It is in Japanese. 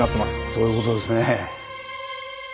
そういうことですね。